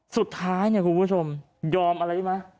สุดท้ายคุณผู้ชมยอมอะไรดิมั้ย